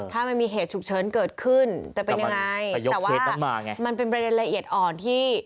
ถ้ามันมีเหตุฉุกเฉินเกิดขึ้นจะเป็นยังไงแต่ว่ามันเป็นประเด็นละเอียดอ่อนที่